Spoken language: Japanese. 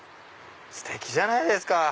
ステキじゃないですか。